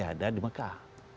dia masih ada di mekah